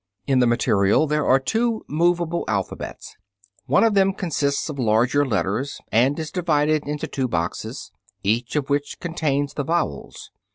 In the material there are two movable alphabets. One of them consists of larger letters, and is divided into two boxes, each of which contains the vowels.